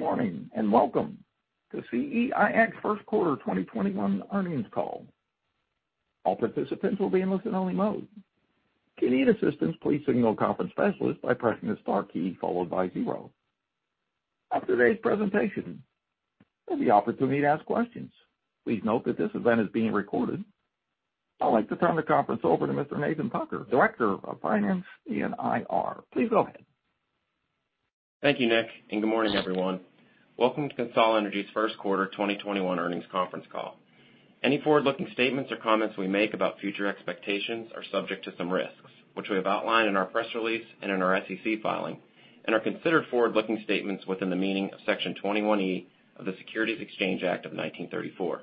Good morning and welcome to Core Natural Resources First Quarter 2021 earnings call. All participants will be in listen-only mode. If you need assistance, please signal conference specialist by pressing the star key followed by zero. After today's presentation, you'll have the opportunity to ask questions. Please note that this event is being recorded. I'd like to turn the conference over to Mr. Nathan Tucker, Director of Finance and IR. Please go ahead. Thank you, Nick, and good morning, everyone. Welcome to Core Natural Resources' First Quarter 2021 Earnings Conference Call. Any forward-looking statements or comments we make about future expectations are subject to some risks, which we have outlined in our press release and in our SEC filing, and are considered forward-looking statements within the meaning of Section 21E of the Securities Exchange Act of 1934.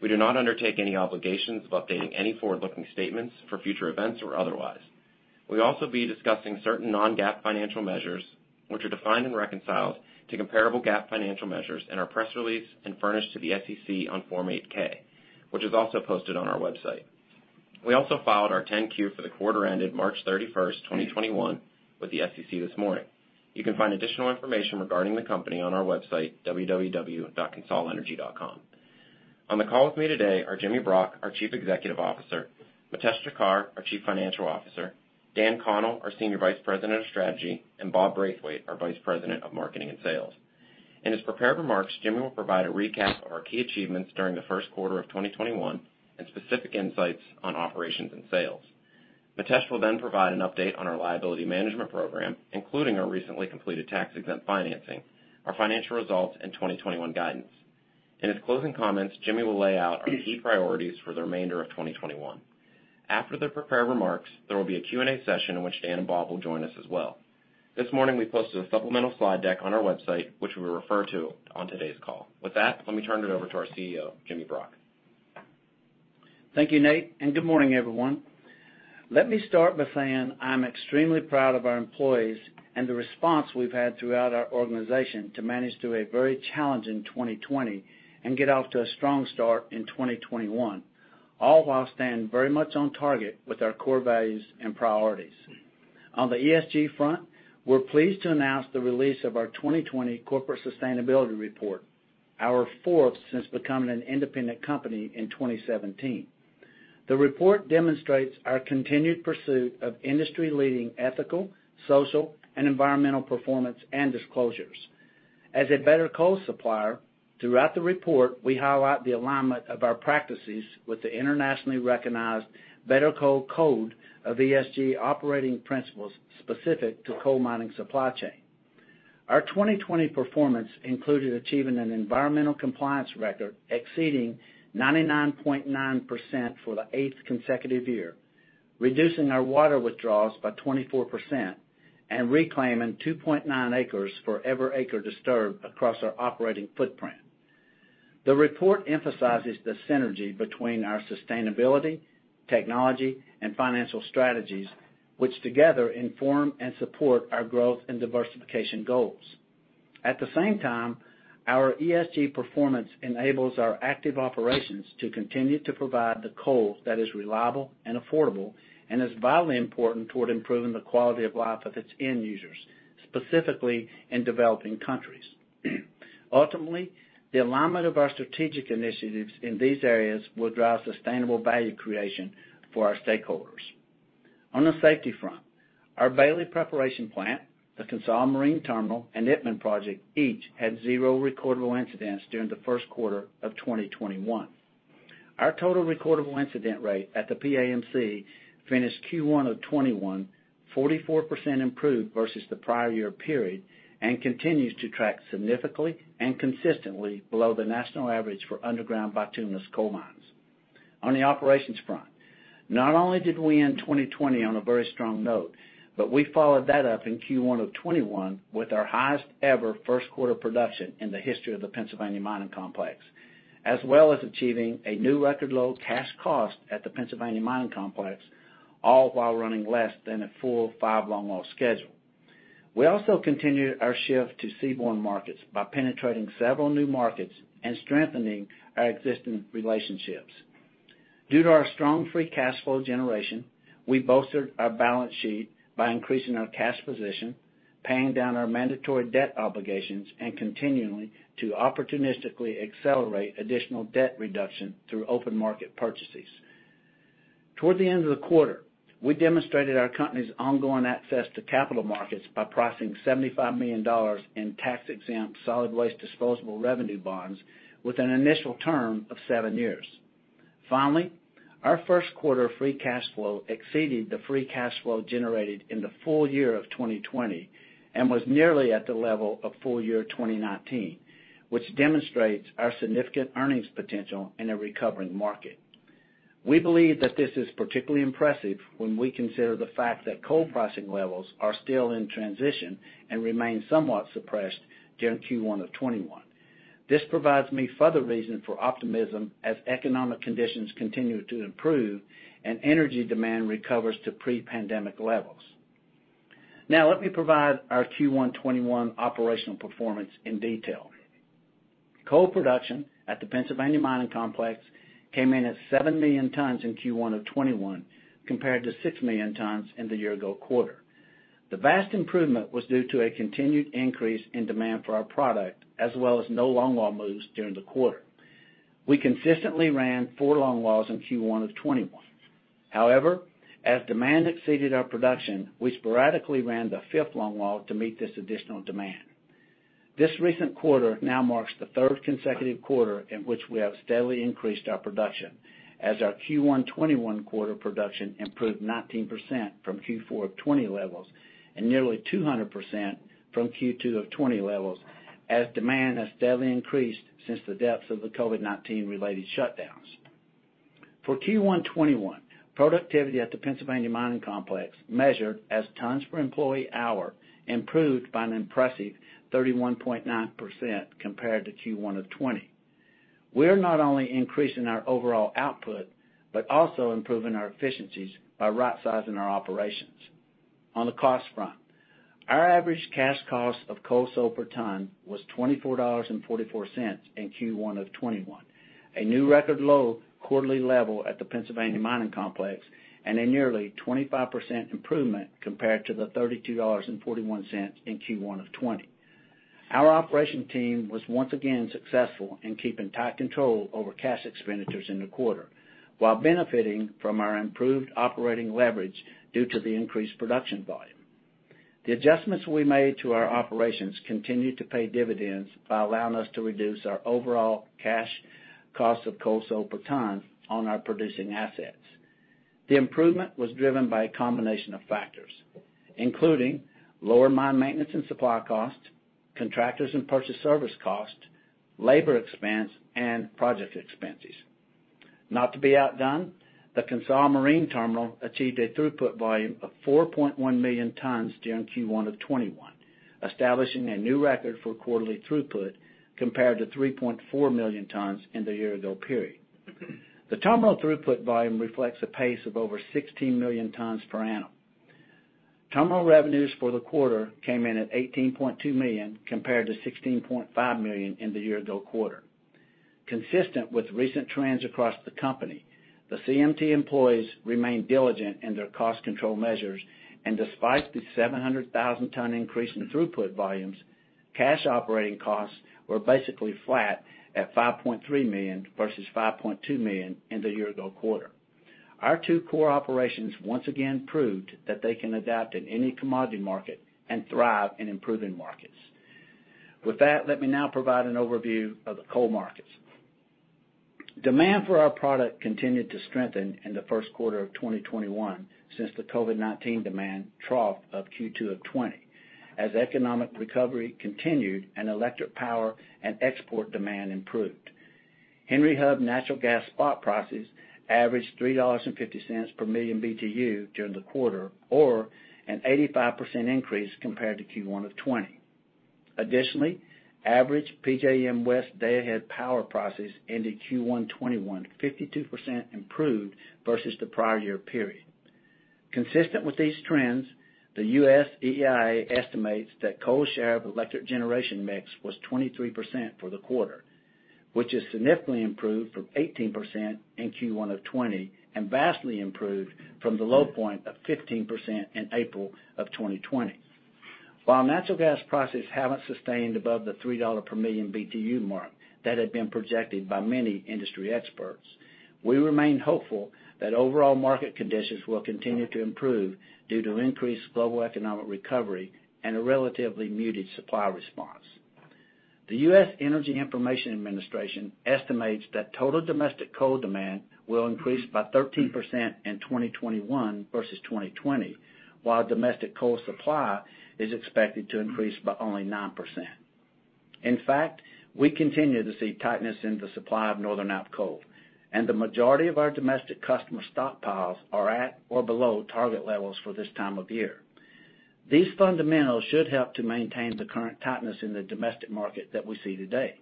We do not undertake any obligations of updating any forward-looking statements for future events or otherwise. We also will be discussing certain non-GAAP financial measures, which are defined and reconciled to comparable GAAP financial measures in our press release and furnished to the SEC on Form 8-K, which is also posted on our website. We also filed our 10-Q for the quarter ended March 31, 2021, with the SEC this morning. You can find additional information regarding the company on our website, www.corenaturalresources.com. On the call with me today are Jimmy Brock, our Chief Executive Officer, Mitesh Thakkar, our Chief Financial Officer, Dan Connell, our Senior Vice President of Strategy, and Bob Braithwaite, our Vice President of Marketing and Sales. In his prepared remarks, Jimmy will provide a recap of our key achievements during the first quarter of 2021 and specific insights on operations and sales. Mitesh will then provide an update on our liability management program, including our recently completed tax-exempt financing, our financial results, and 2021 guidance. In his closing comments, Jimmy will lay out our key priorities for the remainder of 2021. After the prepared remarks, there will be a Q&A session in which Dan and Bob will join us as well. This morning, we posted a supplemental slide deck on our website, which we will refer to on today's call. With that, let me turn it over to our CEO, Jimmy Brock. Thank you, Nate, and good morning, everyone. Let me start by saying I'm extremely proud of our employees and the response we've had throughout our organization to manage through a very challenging 2020 and get off to a strong start in 2021, all while staying very much on target with our core values and priorities. On the ESG front, we're pleased to announce the release of our 2020 Corporate Sustainability Report, our fourth since becoming an independent company in 2017. The report demonstrates our continued pursuit of industry-leading ethical, social, and environmental performance and disclosures. As a Better Coal supplier, throughout the report, we highlight the alignment of our practices with the internationally recognized Better Coal Code of ESG operating principles specific to coal mining supply chain. Our 2020 performance included achieving an environmental compliance record exceeding 99.9% for the eighth consecutive year, reducing our water withdrawals by 24%, and reclaiming 2.9 acres for every acre disturbed across our operating footprint. The report emphasizes the synergy between our sustainability, technology, and financial strategies, which together inform and support our growth and diversification goals. At the same time, our ESG performance enables our active operations to continue to provide the coal that is reliable and affordable and is vitally important toward improving the quality of life of its end users, specifically in developing countries. Ultimately, the alignment of our strategic initiatives in these areas will drive sustainable value creation for our stakeholders. On the safety front, our Bailey Preparation Plant, the Consolidated Marine Terminal, and Itmann Project each had zero recordable incidents during the first quarter of 2021. Our total recordable incident rate at the PAMC finished Q1 of 2021 44% improved versus the prior year period and continues to track significantly and consistently below the national average for underground bituminous coal mines. On the operations front, not only did we end 2020 on a very strong note, but we followed that up in Q1 of 2021 with our highest-ever first quarter production in the history of the Pennsylvania Mining Complex, as well as achieving a new record low cash cost at the Pennsylvania Mining Complex, all while running less than a full five-long-haul schedule. We also continued our shift to seaborne markets by penetrating several new markets and strengthening our existing relationships. Due to our strong free cash flow generation, we bolstered our balance sheet by increasing our cash position, paying down our mandatory debt obligations, and continuing to opportunistically accelerate additional debt reduction through open market purchases. Toward the end of the quarter, we demonstrated our company's ongoing access to capital markets by pricing $75 million in tax-exempt solid waste disposal revenue bonds with an initial term of seven years. Finally, our first quarter free cash flow exceeded the free cash flow generated in the full year of 2020 and was nearly at the level of full year 2019, which demonstrates our significant earnings potential in a recovering market. We believe that this is particularly impressive when we consider the fact that coal pricing levels are still in transition and remain somewhat suppressed during Q1 of 2021. This provides me further reason for optimism as economic conditions continue to improve and energy demand recovers to pre-pandemic levels. Now, let me provide our Q1 2021 operational performance in detail. Coal production at the Pennsylvania Mining Complex came in at 7 million tons in Q1 of 2021, compared to 6 million tons in the year-ago quarter. The vast improvement was due to a continued increase in demand for our product, as well as no long-haul moves during the quarter. We consistently ran four long-hauls in Q1 of 2021. However, as demand exceeded our production, we sporadically ran the fifth long-haul to meet this additional demand. This recent quarter now marks the third consecutive quarter in which we have steadily increased our production, as our Q1 2021 quarter production improved 19% from Q4 2020 levels and nearly 200% from Q2 2020 levels, as demand has steadily increased since the depths of the COVID-19-related shutdowns. For Q1 2021, productivity at the Pennsylvania Mining Complex measured as tons per employee hour improved by an impressive 31.9% compared to Q1 2020. We are not only increasing our overall output, but also improving our efficiencies by right-sizing our operations. On the cost front, our average cash cost of coal sold per ton was $24.44 in Q1 2021, a new record low quarterly level at the Pennsylvania Mining Complex, and a nearly 25% improvement compared to the $32.41 in Q1 2020. Our operation team was once again successful in keeping tight control over cash expenditures in the quarter, while benefiting from our improved operating leverage due to the increased production volume. The adjustments we made to our operations continue to pay dividends by allowing us to reduce our overall cash cost of coal sold per ton on our producing assets. The improvement was driven by a combination of factors, including lower mine maintenance and supply cost, contractors and purchase service cost, labor expense, and project expenses. Not to be outdone, the Consolidated Marine Terminal achieved a throughput volume of 4.1 million tons during Q1 of 2021, establishing a new record for quarterly throughput compared to 3.4 million tons in the year-ago period. The terminal throughput volume reflects a pace of over 16 million tons per annum. Terminal revenues for the quarter came in at $18.2 million compared to $16.5 million in the year-ago quarter. Consistent with recent trends across the company, the CMT employees remained diligent in their cost control measures, and despite the 700,000-ton increase in throughput volumes, cash operating costs were basically flat at $5.3 million versus $5.2 million in the year-ago quarter. Our two core operations once again proved that they can adapt in any commodity market and thrive in improving markets. With that, let me now provide an overview of the coal markets. Demand for our product continued to strengthen in the first quarter of 2021 since the COVID-19 demand trough of Q2 of 2020, as economic recovery continued and electric power and export demand improved. Henry Hub natural gas spot prices averaged $3.50 per million BTU during the quarter, or an 85% increase compared to Q1 of 2020. Additionally, average PJM West day-ahead power prices ended Q1 2021 52% improved versus the prior year period. Consistent with these trends, the US EIA estimates that coal share of electric generation mix was 23% for the quarter, which is significantly improved from 18% in Q1 of 2020 and vastly improved from the low point of 15% in April of 2020. While natural gas prices have not sustained above the $3 per million BTU mark that had been projected by many industry experts, we remain hopeful that overall market conditions will continue to improve due to increased global economic recovery and a relatively muted supply response. The U.S. Energy Information Administration estimates that total domestic coal demand will increase by 13% in 2021 versus 2020, while domestic coal supply is expected to increase by only 9%. In fact, we continue to see tightness in the supply of Northern App coal, and the majority of our domestic customer stockpiles are at or below target levels for this time of year. These fundamentals should help to maintain the current tightness in the domestic market that we see today.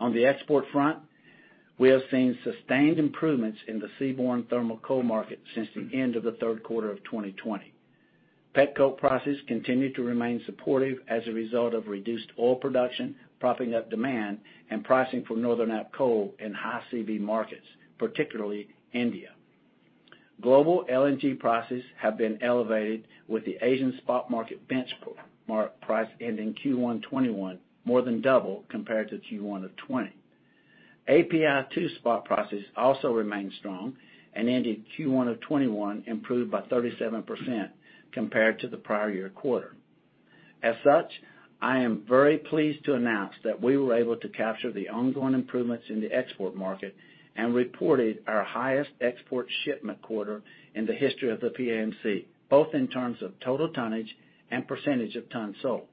On the export front, we have seen sustained improvements in the seaborne thermal coal market since the end of the third quarter of 2020. Pet coal prices continue to remain supportive as a result of reduced oil production propping up demand and pricing for Northern App coal in high CV markets, particularly India. Global LNG prices have been elevated, with the Asian spot market benchmark price ending Q1 2021 more than double compared to Q1 of 2020. API2 spot prices also remain strong and ended Q1 of 2021 improved by 37% compared to the prior year quarter. As such, I am very pleased to announce that we were able to capture the ongoing improvements in the export market and reported our highest export shipment quarter in the history of the PAMC, both in terms of total tonnage and percentage of tons sold.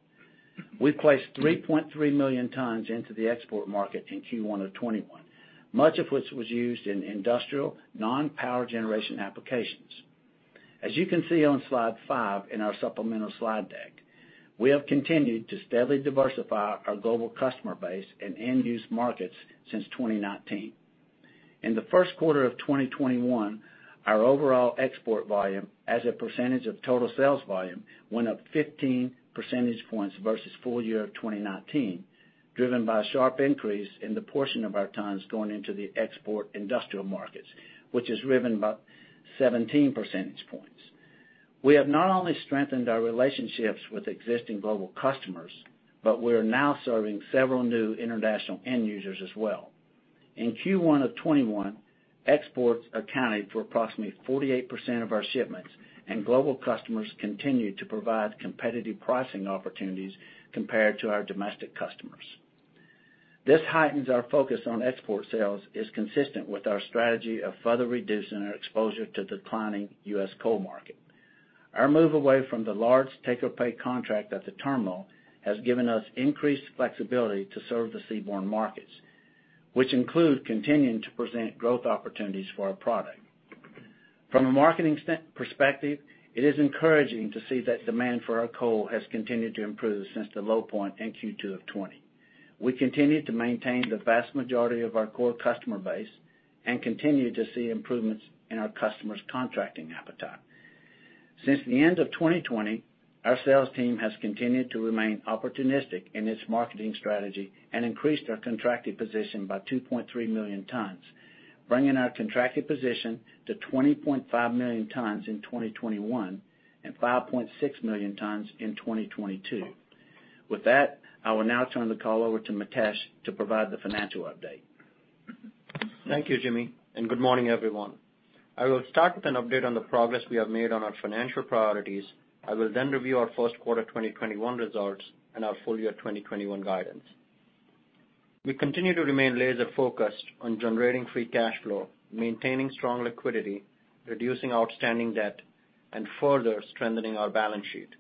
We placed 3.3 million tons into the export market in Q1 of 2021, much of which was used in industrial non-power generation applications. As you can see on slide five in our supplemental slide deck, we have continued to steadily diversify our global customer base and end-use markets since 2019. In the first quarter of 2021, our overall export volume as a percentage of total sales volume went up 15 percentage points versus full year of 2019, driven by a sharp increase in the portion of our tons going into the export industrial markets, which is driven by 17 percentage points. We have not only strengthened our relationships with existing global customers, but we are now serving several new international end users as well. In Q1 of 2021, exports accounted for approximately 48% of our shipments, and global customers continued to provide competitive pricing opportunities compared to our domestic customers. This heightens our focus on export sales and is consistent with our strategy of further reducing our exposure to the declining U.S. coal market. Our move away from the large take-or-pay contract at the terminal has given us increased flexibility to serve the seaborne markets, which include continuing to present growth opportunities for our product. From a marketing perspective, it is encouraging to see that demand for our coal has continued to improve since the low point in Q2 of 2020. We continue to maintain the vast majority of our core customer base and continue to see improvements in our customers' contracting appetite. Since the end of 2020, our sales team has continued to remain opportunistic in its marketing strategy and increased our contracted position by 2.3 million tons, bringing our contracted position to 20.5 million tons in 2021 and 5.6 million tons in 2022. With that, I will now turn the call over to Mitesh to provide the financial update. Thank you, Jimmy, and good morning, everyone. I will start with an update on the progress we have made on our financial priorities. I will then review our first quarter 2021 results and our full year 2021 guidance. We continue to remain laser-focused on generating free cash flow, maintaining strong liquidity, reducing outstanding debt, and further strengthening our balance sheet.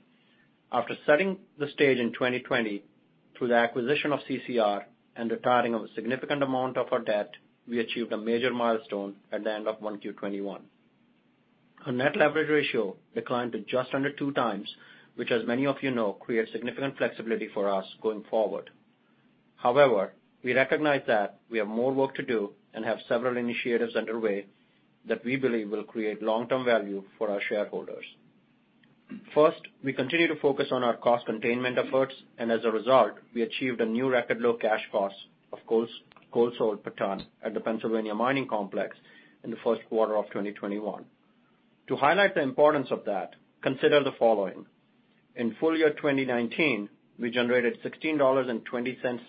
After setting the stage in 2020 through the acquisition of CCR and retiring of a significant amount of our debt, we achieved a major milestone at the end of Q1 2021. Our net leverage ratio declined to just under two times, which, as many of you know, creates significant flexibility for us going forward. However, we recognize that we have more work to do and have several initiatives underway that we believe will create long-term value for our shareholders. First, we continue to focus on our cost containment efforts, and as a result, we achieved a new record low cash cost of coal sold per ton at the Pennsylvania Mining Complex in the first quarter of 2021. To highlight the importance of that, consider the following. In full year 2019, we generated $16.20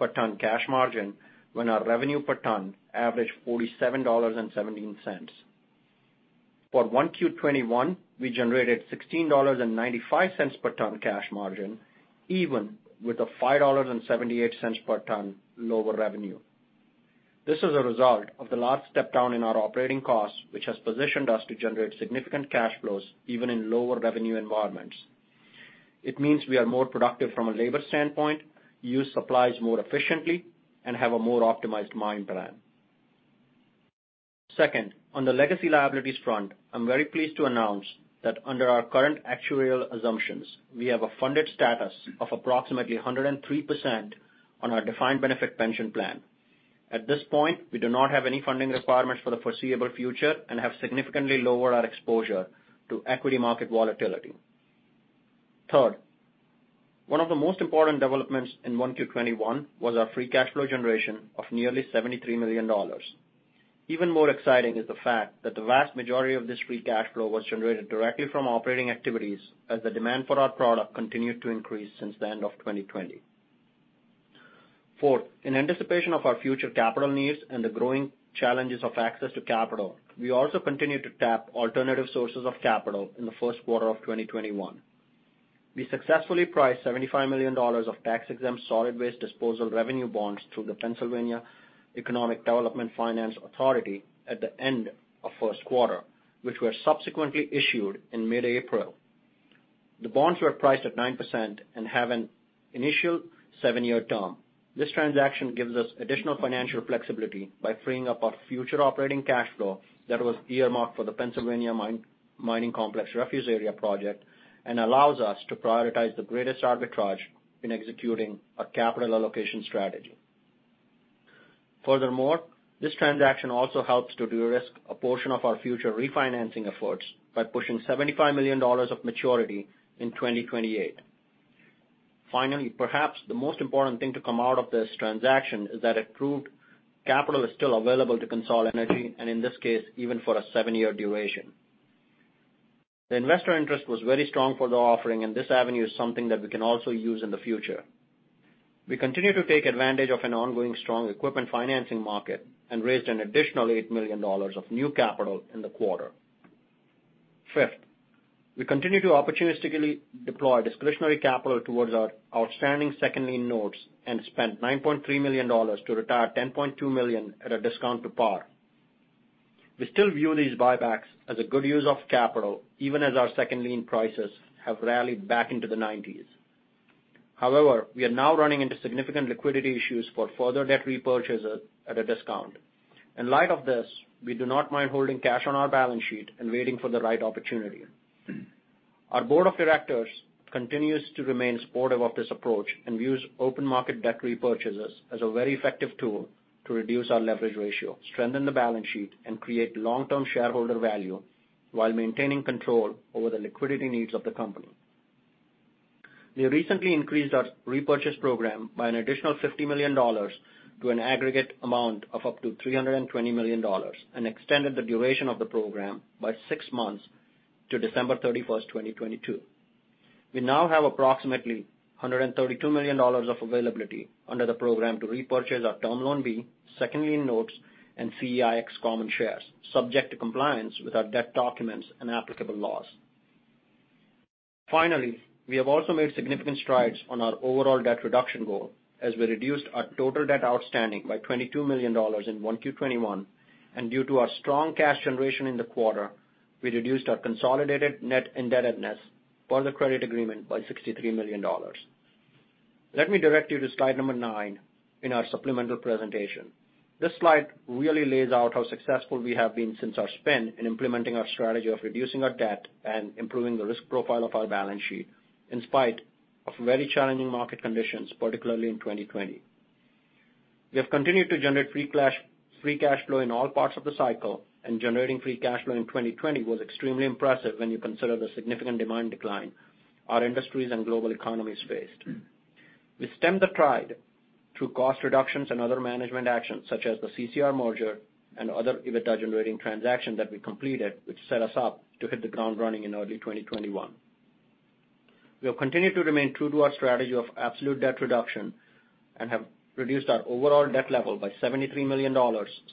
per ton cash margin when our revenue per ton averaged $47.17. For Q1 2021, we generated $16.95 per ton cash margin, even with a $5.78 per ton lower revenue. This is a result of the large step down in our operating costs, which has positioned us to generate significant cash flows even in lower revenue environments. It means we are more productive from a labor standpoint, use supplies more efficiently, and have a more optimized mine plan. Second, on the legacy liabilities front, I'm very pleased to announce that under our current actuarial assumptions, we have a funded status of approximately 103% on our defined benefit pension plan. At this point, we do not have any funding requirements for the foreseeable future and have significantly lowered our exposure to equity market volatility. Third, one of the most important developments in Q1 2021 was our free cash flow generation of nearly $73 million. Even more exciting is the fact that the vast majority of this free cash flow was generated directly from operating activities as the demand for our product continued to increase since the end of 2020. Fourth, in anticipation of our future capital needs and the growing challenges of access to capital, we also continued to tap alternative sources of capital in the first quarter of 2021. We successfully priced $75 million of tax-exempt solid waste disposal revenue bonds through the Pennsylvania Economic Development Finance Authority at the end of first quarter, which were subsequently issued in mid-April. The bonds were priced at 9% and have an initial seven-year term. This transaction gives us additional financial flexibility by freeing up our future operating cash flow that was earmarked for the Pennsylvania Mining Complex Refuge Area project and allows us to prioritize the greatest arbitrage in executing our capital allocation strategy. Furthermore, this transaction also helps to de-risk a portion of our future refinancing efforts by pushing $75 million of maturity in 2028. Finally, perhaps the most important thing to come out of this transaction is that it proved capital is still available to Core Natural Resources, and in this case, even for a seven-year duration. The investor interest was very strong for the offering, and this avenue is something that we can also use in the future. We continue to take advantage of an ongoing strong equipment financing market and raised an additional $8 million of new capital in the quarter. Fifth, we continue to opportunistically deploy discretionary capital towards our outstanding second lien notes and spent $9.3 million to retire $10.2 million at a discount to par. We still view these buybacks as a good use of capital, even as our second lien prices have rallied back into the 90s. However, we are now running into significant liquidity issues for further debt repurchases at a discount. In light of this, we do not mind holding cash on our balance sheet and waiting for the right opportunity. Our Board of Directors continues to remain supportive of this approach and views open market debt repurchases as a very effective tool to reduce our leverage ratio, strengthen the balance sheet, and create long-term shareholder value while maintaining control over the liquidity needs of the company. We recently increased our repurchase program by an additional $50 million to an aggregate amount of up to $320 million and extended the duration of the program by six months to December 31, 2022. We now have approximately $132 million of availability under the program to repurchase our Term Loan B, second lien notes, and Core Natural Resources common shares, subject to compliance with our debt documents and applicable laws. Finally, we have also made significant strides on our overall debt reduction goal as we reduced our total debt outstanding by $22 million in Q1 2021, and due to our strong cash generation in the quarter, we reduced our consolidated net indebtedness per the credit agreement by $63 million. Let me direct you to slide number nine in our supplemental presentation. This slide really lays out how successful we have been since our spin in implementing our strategy of reducing our debt and improving the risk profile of our balance sheet in spite of very challenging market conditions, particularly in 2020. We have continued to generate free cash flow in all parts of the cycle, and generating free cash flow in 2020 was extremely impressive when you consider the significant demand decline our industries and global economies faced. We stemmed the tide through cost reductions and other management actions such as the CCR merger and other EBITDA-generating transactions that we completed, which set us up to hit the ground running in early 2021. We have continued to remain true to our strategy of absolute debt reduction and have reduced our overall debt level by $73 million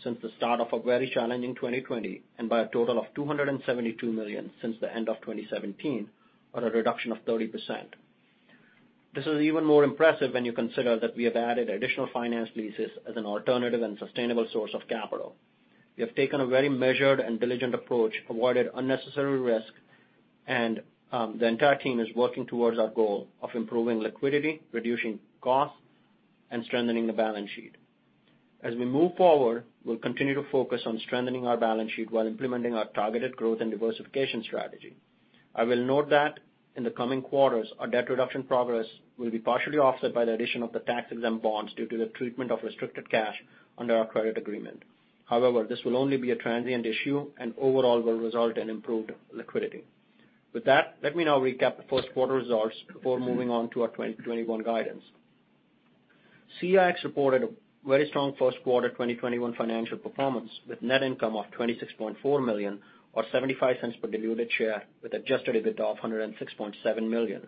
since the start of a very challenging 2020 and by a total of $272 million since the end of 2017, or a reduction of 30%. This is even more impressive when you consider that we have added additional finance leases as an alternative and sustainable source of capital. We have taken a very measured and diligent approach, avoided unnecessary risk, and the entire team is working towards our goal of improving liquidity, reducing costs, and strengthening the balance sheet. As we move forward, we'll continue to focus on strengthening our balance sheet while implementing our targeted growth and diversification strategy. I will note that in the coming quarters, our debt reduction progress will be partially offset by the addition of the tax-exempt bonds due to the treatment of restricted cash under our credit agreement. However, this will only be a transient issue and overall will result in improved liquidity. With that, let me now recap the first quarter results before moving on to our 2021 guidance. Core Natural Resources reported a very strong first quarter 2021 financial performance with net income of $26.4 million, or $0.75 per diluted share, with adjusted EBITDA of $106.7 million,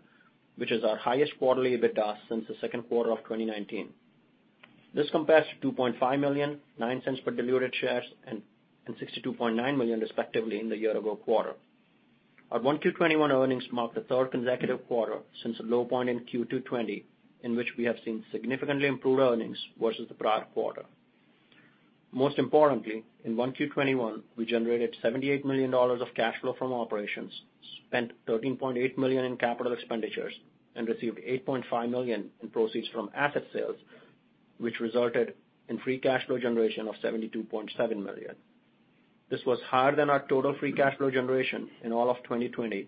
which is our highest quarterly EBITDA since the second quarter of 2019. This compares to $2.5 million, $0.09 per diluted share, and $62.9 million, respectively, in the year-ago quarter. Our Q1 2021 earnings mark the third consecutive quarter since a low point in Q2 2020, in which we have seen significantly improved earnings versus the prior quarter. Most importantly, in Q1 2021, we generated $78 million of cash flow from operations, spent $13.8 million in capital expenditures, and received $8.5 million in proceeds from asset sales, which resulted in free cash flow generation of $72.7 million. This was higher than our total free cash flow generation in all of 2020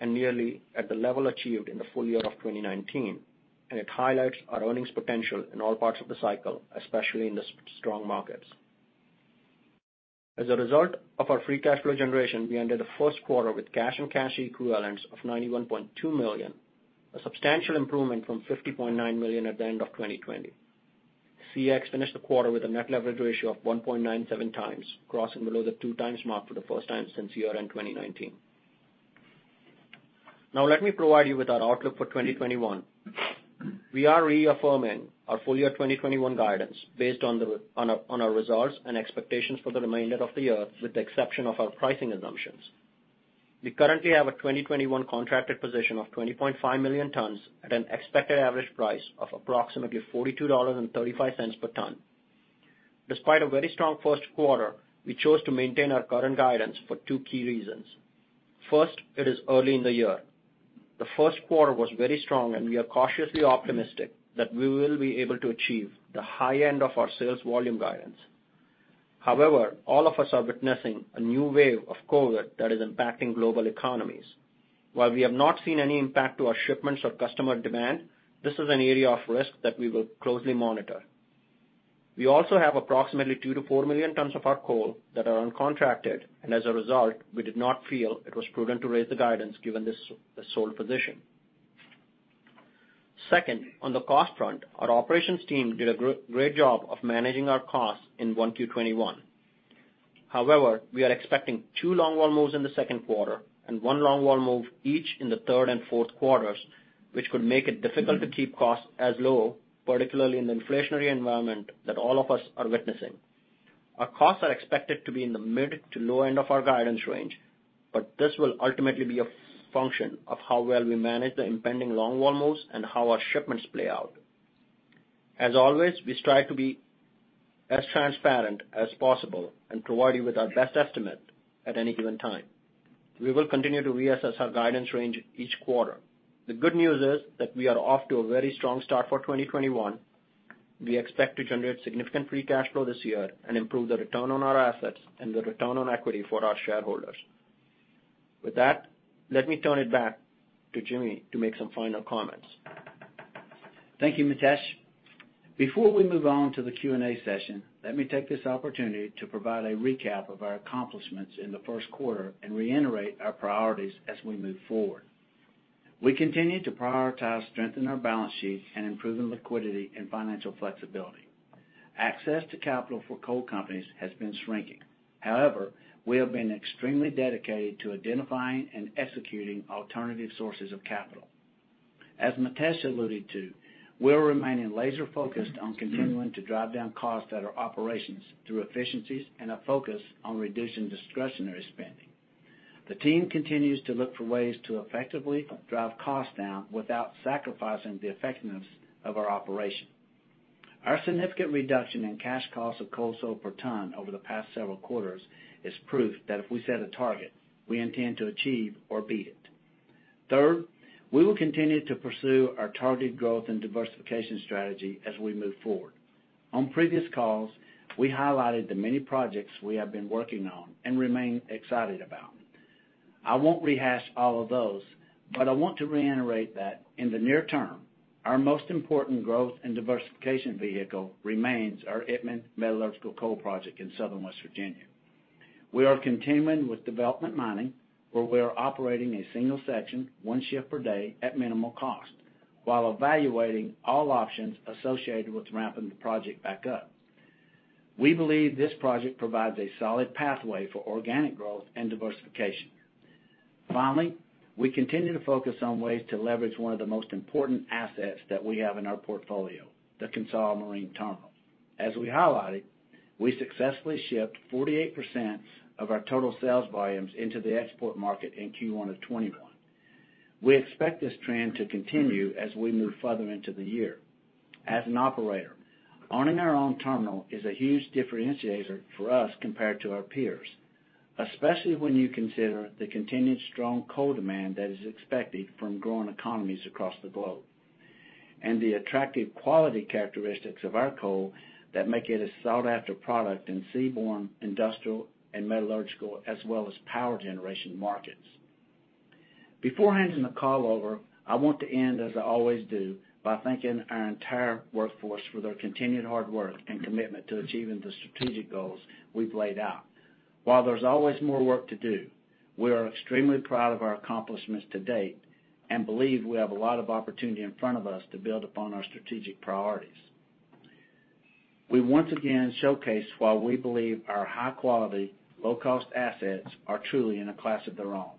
and nearly at the level achieved in the full year of 2019, and it highlights our earnings potential in all parts of the cycle, especially in the strong markets. As a result of our free cash flow generation, we ended the first quarter with cash and cash equivalents of $91.2 million, a substantial improvement from $50.9 million at the end of 2020. Resources finished the quarter with a net leverage ratio of 1.97 times, crossing below the two-times mark for the first time since year-end 2019. Now, let me provide you with our outlook for 2021. We are reaffirming our full year 2021 guidance based on our results and expectations for the remainder of the year, with the exception of our pricing assumptions. We currently have a 2021 contracted position of 20.5 million tons at an expected average price of approximately $42.35 per ton. Despite a very strong first quarter, we chose to maintain our current guidance for two key reasons. First, it is early in the year. The first quarter was very strong, and we are cautiously optimistic that we will be able to achieve the high end of our sales volume guidance. However, all of us are witnessing a new wave of COVID that is impacting global economies. While we have not seen any impact to our shipments or customer demand, this is an area of risk that we will closely monitor. We also have approximately 2 million-4 million tons of our coal that are uncontracted, and as a result, we did not feel it was prudent to raise the guidance given this sold position. Second, on the cost front, our operations team did a great job of managing our costs in Q1 2021. However, we are expecting two long-haul moves in the second quarter and one long-haul move each in the third and fourth quarters, which could make it difficult to keep costs as low, particularly in the inflationary environment that all of us are witnessing. Our costs are expected to be in the mid to low end of our guidance range, but this will ultimately be a function of how well we manage the impending long-haul moves and how our shipments play out. As always, we strive to be as transparent as possible and provide you with our best estimate at any given time. We will continue to reassess our guidance range each quarter. The good news is that we are off to a very strong start for 2021. We expect to generate significant free cash flow this year and improve the return on our assets and the return on equity for our shareholders. With that, let me turn it back to Jimmy to make some final comments. Thank you, Mitesh. Before we move on to the Q&A session, let me take this opportunity to provide a recap of our accomplishments in the first quarter and reiterate our priorities as we move forward. We continue to prioritize strengthening our balance sheet and improving liquidity and financial flexibility. Access to capital for coal companies has been shrinking. However, we have been extremely dedicated to identifying and executing alternative sources of capital. As Mitesh alluded to, we'll remain laser-focused on continuing to drive down costs at our operations through efficiencies and a focus on reducing discretionary spending. The team continues to look for ways to effectively drive costs down without sacrificing the effectiveness of our operation. Our significant reduction in cash costs of coal sold per ton over the past several quarters is proof that if we set a target, we intend to achieve or beat it. Third, we will continue to pursue our targeted growth and diversification strategy as we move forward. On previous calls, we highlighted the many projects we have been working on and remain excited about. I won't rehash all of those, but I want to reiterate that in the near term, our most important growth and diversification vehicle remains our Itmann Metallurgical Coal Project in southern West Virginia. We are continuing with development mining, where we are operating a single section, one shift per day at minimal cost, while evaluating all options associated with ramping the project back up. We believe this project provides a solid pathway for organic growth and diversification. Finally, we continue to focus on ways to leverage one of the most important assets that we have in our portfolio, the Consolidated Marine Terminal. As we highlighted, we successfully shipped 48% of our total sales volumes into the export market in Q1 of 2021. We expect this trend to continue as we move further into the year. As an operator, owning our own terminal is a huge differentiator for us compared to our peers, especially when you consider the continued strong coal demand that is expected from growing economies across the globe and the attractive quality characteristics of our coal that make it a sought-after product in seaborne, industrial, and metallurgical, as well as power generation markets. Before handing the call over, I want to end, as I always do, by thanking our entire workforce for their continued hard work and commitment to achieving the strategic goals we've laid out. While there's always more work to do, we are extremely proud of our accomplishments to date and believe we have a lot of opportunity in front of us to build upon our strategic priorities. We once again showcased why we believe our high-quality, low-cost assets are truly in a class of their own.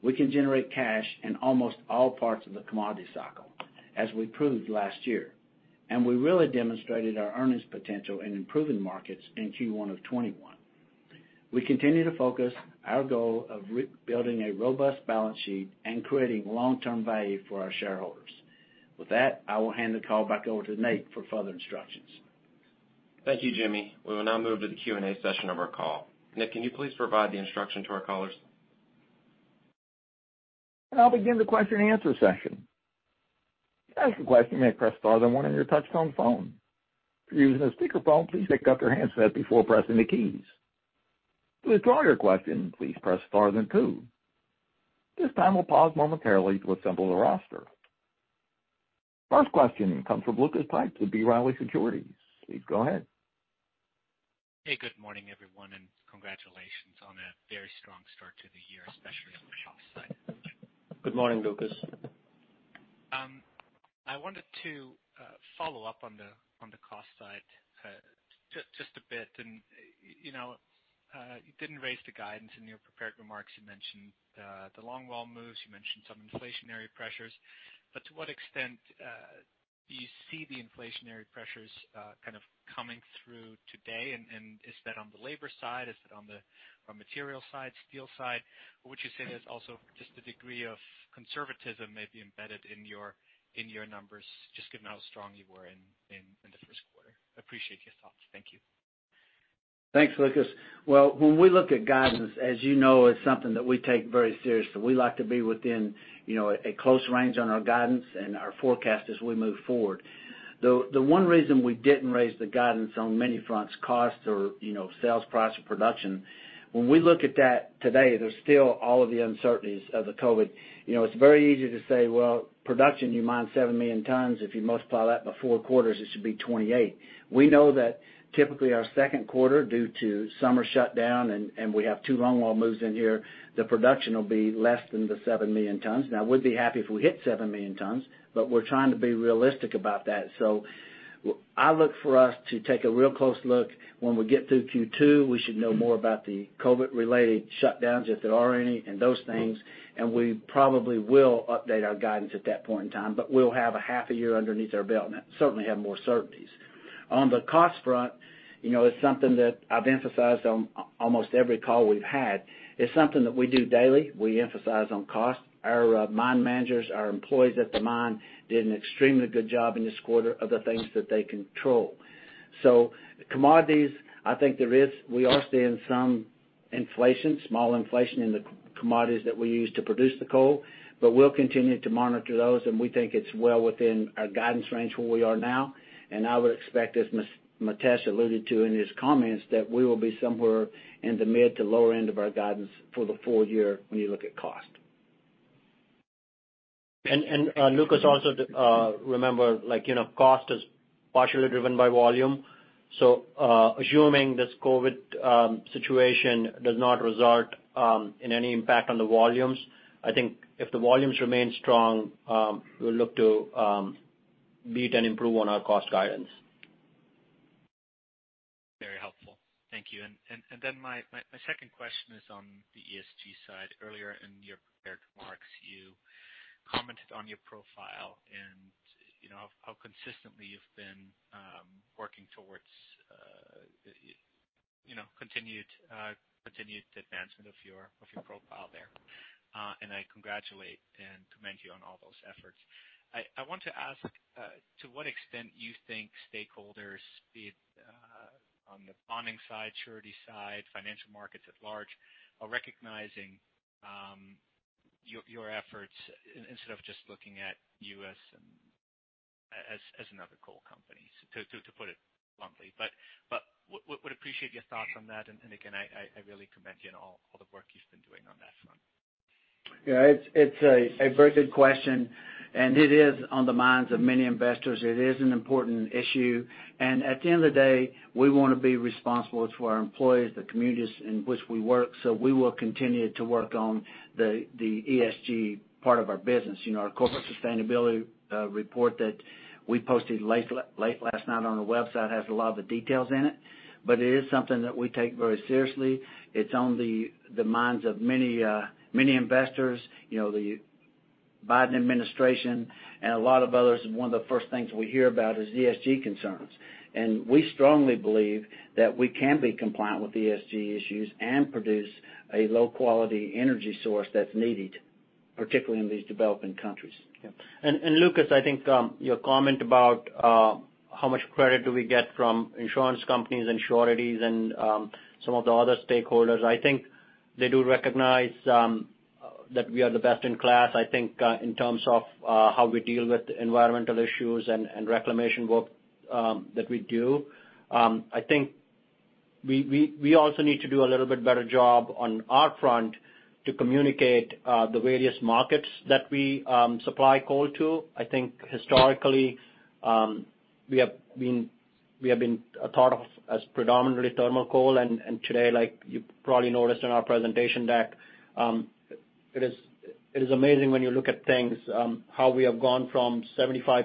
We can generate cash in almost all parts of the commodity cycle, as we proved last year, and we really demonstrated our earnings potential in improving markets in Q1 of 2021. We continue to focus on our goal of building a robust balance sheet and creating long-term value for our shareholders. With that, I will hand the call back over to Nate for further instructions. Thank you, Jimmy. We will now move to the Q&A session of our call. Nick, can you please provide the instruction to our callers? I'll begin the question-and-answer session. To ask a question, you may press star then one on your touch-tone phone. If you're using a speakerphone, please pick up your handset before pressing the keys. To withdraw your question, please press star then two. At this time, we'll pause momentarily to assemble the roster. First question comes from Lucas Pipes of B. Riley Securities. Please go ahead. Hey, good morning, everyone, and congratulations on a very strong start to the year, especially on the cost side. Good morning, Lucas. I wanted to follow up on the cost side just a bit. You did not raise the guidance in your prepared remarks. You mentioned the long-haul moves. You mentioned some inflationary pressures. To what extent do you see the inflationary pressures kind of coming through today? Is that on the labor side? Is it on the raw material side, steel side? Would you say there is also just a degree of conservatism maybe embedded in your numbers, just given how strong you were in the first quarter? Appreciate your thoughts. Thank you. Thanks, Lucas. When we look at guidance, as you know, it's something that we take very seriously. We like to be within a close range on our guidance and our forecast as we move forward. The one reason we did not raise the guidance on many fronts, costs or sales price or production, when we look at that today, there are still all of the uncertainties of the COVID. It's very easy to say, "Production, you mined 7 million tons. If you multiply that by four quarters, it should be 28." We know that typically our second quarter, due to summer shutdown and we have two long-haul moves in here, the production will be less than the 7 million tons. Now, we'd be happy if we hit 7 million tons, but we're trying to be realistic about that. I look for us to take a real close look. When we get through Q2, we should know more about the COVID-related shutdowns, if there are any, and those things. We probably will update our guidance at that point in time, but we'll have half a year underneath our belt and certainly have more certainties. On the cost front, it's something that I've emphasized on almost every call we've had. It's something that we do daily. We emphasize on cost. Our mine managers, our employees at the mine did an extremely good job in this quarter of the things that they control. Commodities, I think there is, we are seeing some inflation, small inflation in the commodities that we use to produce the coal, but we'll continue to monitor those, and we think it's well within our guidance range where we are now. I would expect, as Mitesh alluded to in his comments, that we will be somewhere in the mid to lower end of our guidance for the full year when you look at cost. Lucas also remembered cost is partially driven by volume. Assuming this COVID situation does not result in any impact on the volumes, I think if the volumes remain strong, we'll look to beat and improve on our cost guidance. Very helpful. Thank you. My second question is on the ESG side. Earlier in your prepared remarks, you commented on your profile and how consistently you've been working towards continued advancement of your profile there. I congratulate and commend you on all those efforts. I want to ask to what extent you think stakeholders, be it on the bonding side, surety side, financial markets at large, are recognizing your efforts instead of just looking at you as another coal company, to put it bluntly. I would appreciate your thoughts on that. I really commend you on all the work you've been doing on that front. Yeah, it's a very good question. It is on the minds of many investors. It is an important issue. At the end of the day, we want to be responsible for our employees, the communities in which we work. We will continue to work on the ESG part of our business. Our corporate sustainability report that we posted late last night on our website has a lot of the details in it, but it is something that we take very seriously. It's on the minds of many investors, the Biden administration, and a lot of others. One of the first things we hear about is ESG concerns. We strongly believe that we can be compliant with ESG issues and produce a low-quality energy source that's needed, particularly in these developing countries. Lucas, I think your comment about how much credit do we get from insurance companies, sureties, and some of the other stakeholders, I think they do recognize that we are the best in class, I think, in terms of how we deal with environmental issues and reclamation work that we do. I think we also need to do a little bit better job on our front to communicate the various markets that we supply coal to. I think historically, we have been thought of as predominantly thermal coal. Like you probably noticed in our presentation, it is amazing when you look at things, how we have gone from 75+%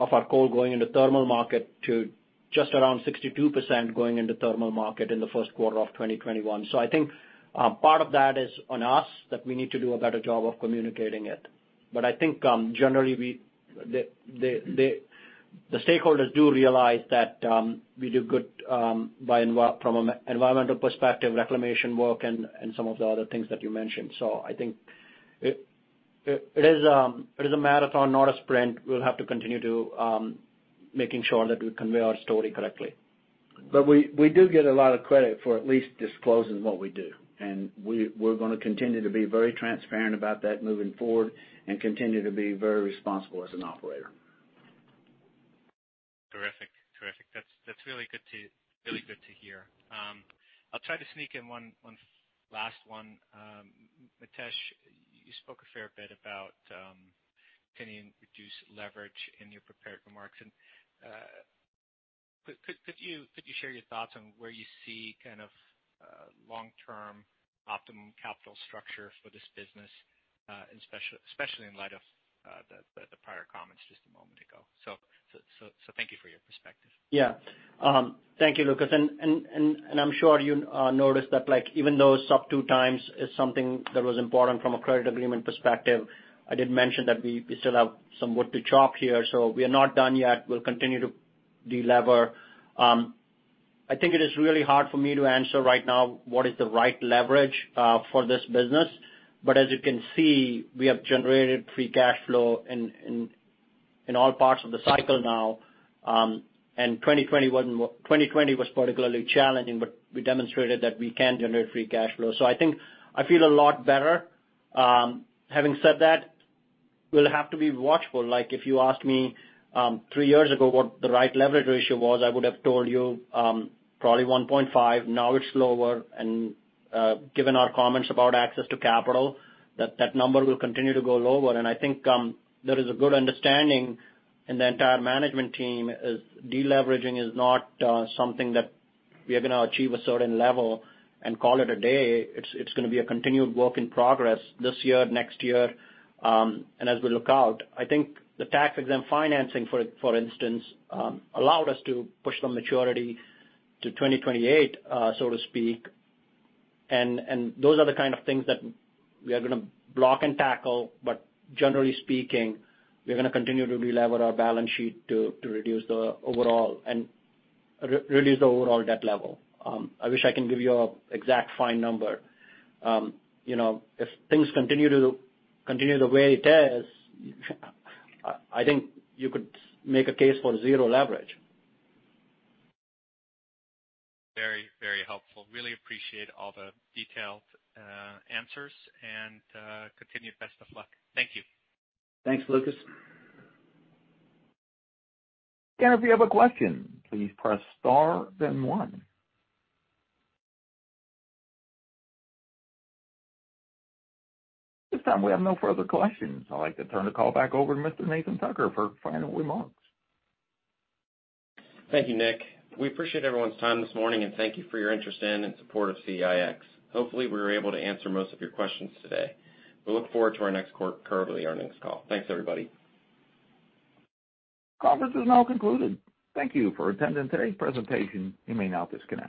of our coal going into the thermal market to just around 62% going into the thermal market in the first quarter of 2021. I think part of that is on us that we need to do a better job of communicating it. I think generally, the stakeholders do realize that we do good from an environmental perspective, reclamation work, and some of the other things that you mentioned. I think it is a marathon, not a sprint. We'll have to continue to make sure that we convey our story correctly. We do get a lot of credit for at least disclosing what we do. We're going to continue to be very transparent about that moving forward and continue to be very responsible as an operator. Terrific. Terrific. That's really good to hear. I'll try to sneak in one last one. Mitesh, you spoke a fair bit about continuing to reduce leverage in your prepared remarks. Could you share your thoughts on where you see kind of long-term optimum capital structure for this business, especially in light of the prior comments just a moment ago? Thank you for your perspective. Yeah. Thank you, Lucas. I'm sure you noticed that even though sub two times is something that was important from a credit agreement perspective, I did mention that we still have some wood to chop here. We are not done yet. We'll continue to deliver. I think it is really hard for me to answer right now what is the right leverage for this business. As you can see, we have generated free cash flow in all parts of the cycle now. 2020 was particularly challenging, but we demonstrated that we can generate free cash flow. I feel a lot better. Having said that, we'll have to be watchful. If you asked me three years ago what the right leverage ratio was, I would have told you probably 1.5. Now it's lower. Given our comments about access to capital, that number will continue to go lower. I think there is a good understanding in the entire management team that deleveraging is not something that we are going to achieve at a certain level and call it a day. It is going to be a continued work in progress this year, next year, and as we look out. I think the tax-exempt financing, for instance, allowed us to push the maturity to 2028, so to speak. Those are the kind of things that we are going to block and tackle. Generally speaking, we are going to continue to delever our balance sheet to reduce the overall debt level. I wish I could give you an exact fine number. If things continue the way it is, I think you could make a case for zero leverage. Very, very helpful. Really appreciate all the detailed answers. I continue best of luck. Thank you. Thanks, Lucas. If you have a question, please press star, then one. At this time, we have no further questions. I'd like to turn the call back over to Mr. Nathan Tucker for final remarks. Thank you, Nick. We appreciate everyone's time this morning, and thank you for your interest in and support of Core Natural Resources. Hopefully, we were able to answer most of your questions today. We look forward to our next quarterly earnings call. Thanks, everybody. Conference is now concluded. Thank you for attending today's presentation. You may now disconnect.